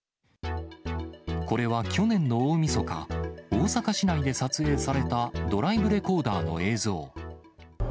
これは去年の大みそか、大阪市内で撮影されたドライブレコーダーの映像。